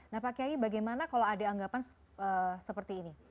nah pak kiai bagaimana kalau ada anggapan seperti ini